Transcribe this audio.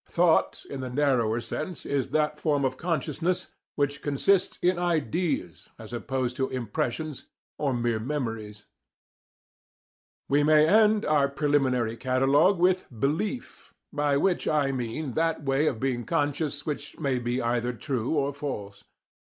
"Thought" in the narrower sense is that form of consciousness which consists in "ideas" as opposed to impressions or mere memories. We may end our preliminary catalogue with BELIEF, by which I mean that way of being conscious which may be either true or false.